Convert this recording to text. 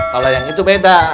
kalau yang itu beda